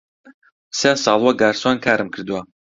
سێ ساڵ وەک گارسۆن کارم کردووە.